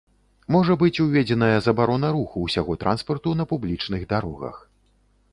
Можа быць уведзеная забарона руху усяго транспарту на публічных дарогах.